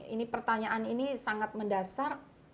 ini pertanyaan ini sangat mendasar